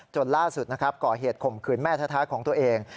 ล่าสุดนะครับก่อเหตุข่มขืนแม่แท้ของตัวเอง